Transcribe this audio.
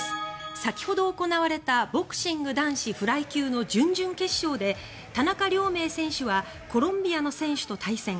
先ほど行われたボクシング男子フライ級の準々決勝で田中亮明選手はコロンビアの選手と対戦。